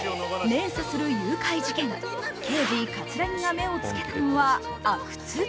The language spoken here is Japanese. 連鎖する誘拐事件、刑事・葛城が目をつけたのは、阿久津。